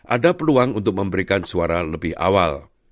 ada peluang untuk memberikan suara lebih awal